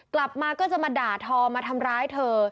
กลับมาก็จะมาด่าทอมาทำร้ายเธอ